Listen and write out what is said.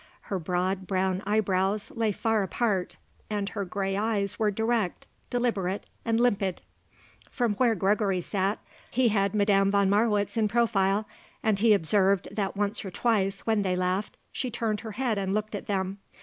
Her broad, brown eyebrows lay far apart and her grey eyes were direct, deliberate and limpid. From where Gregory sat he had Madame von Marwitz in profile and he observed that once or twice, when they laughed, she turned her head and looked at them.